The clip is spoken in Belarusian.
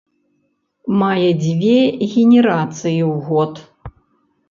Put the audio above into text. Мае дзве генерацыі ў год.